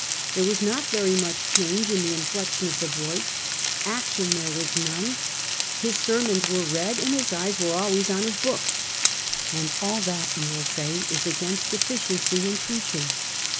There was not very much change in the inflection of the voice ; action there was none ; his sermons were read and his eyes were always on his book ; and all that you will say is against efficiency in preaching.